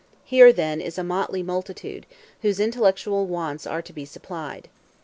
Here then is a motley multitude, whose intellectual wants are to be supplied.